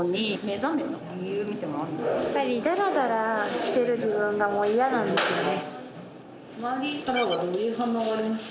だらだらしてる自分がもう嫌なんですよね。